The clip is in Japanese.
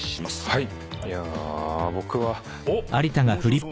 はい。